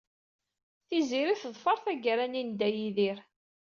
Tiziri teḍfer targa-nni n Dda Yidir.